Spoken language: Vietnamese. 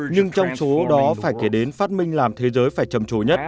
nhưng trong số đó phải kể đến phát minh làm thế giới phải trầm trồ nhất